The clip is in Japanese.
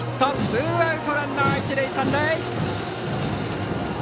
ツーアウトランナー、一塁三塁。